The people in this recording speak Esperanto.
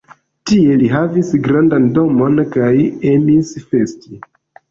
Tie li havis grandan domon kaj emis festi.